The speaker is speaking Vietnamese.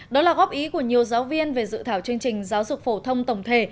đó là góp ý của nhiều giáo viên về dự thảo chương trình giáo dục phổ thông tổng thể